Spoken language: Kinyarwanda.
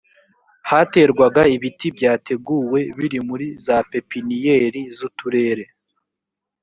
haterwaga ibiti byateguwe biri muri za pepeiniyeri z uturere